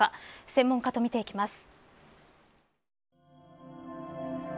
専門家と見ていきます。